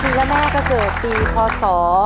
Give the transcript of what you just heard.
จุดที่ว่าแม่กระเจิดปีพศ